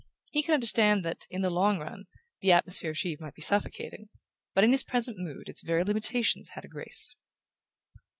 He could understand that, in the long run, the atmosphere of Givre might be suffocating; but in his present mood its very limitations had a grace.